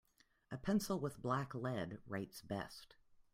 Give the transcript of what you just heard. A pencil with black lead writes best.